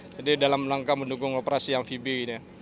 jadi dalam langkah mendukung operasi amphibianya